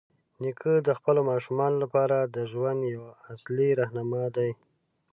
نیکه د خپلو ماشومانو لپاره د ژوند یوه اصلي راهنما دی.